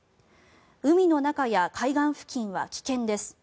海の中や海岸付近は危険です。